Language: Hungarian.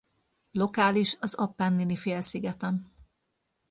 Lokális az Appennini-félszigeten.